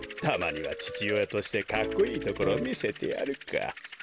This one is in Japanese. たまにはちちおやとしてかっこいいところをみせてやるか。